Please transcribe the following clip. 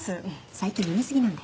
最近飲みすぎなんで。